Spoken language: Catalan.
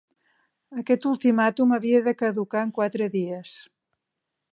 Aquest ultimàtum havia de caducar en quatre dies.